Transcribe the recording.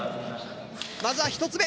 まずは１つ目。